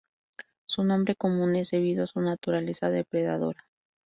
Su nombre común es debido a su naturaleza depredadora.